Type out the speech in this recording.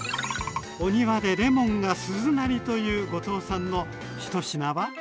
お庭でレモンが鈴なりという後藤さんの１品は？